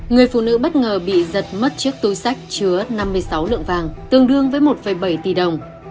người phụ nữ bất ngờ bị giật mất chiếc túi sách chứa năm mươi sáu lượng vàng tương đương với một bảy tỷ đồng